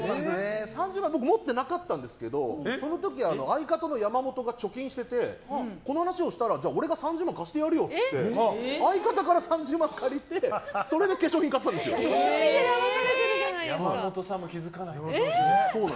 ３０万円僕、持ってなかったんですけどその時、相方の山本が貯金しててこの話をしたら俺が３０万円貸してやるよって相方から３０万借りて山本さんも気づかないんだ。